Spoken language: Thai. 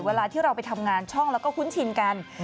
เวลาที่เราไปทำงานช่องแล้วก็คุ้นชินกัน